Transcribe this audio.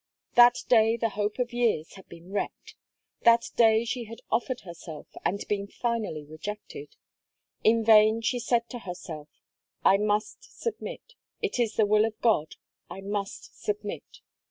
That day the hope of years had been wrecked, that day she had offered herself, and been finally rejected. In vain she said to herself: "I must submit it is the will of God, I must submit."